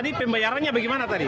tadi pembayarannya bagaimana tadi